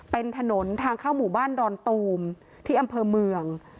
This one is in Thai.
เป็นถนนทางเข้าหมู่บ้านดอนตูมที่อำเภอเมือง